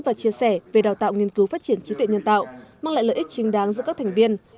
và chia sẻ về đào tạo nghiên cứu phát triển trí tuệ nhân tạo mang lại lợi ích trinh đáng giữa các thành viên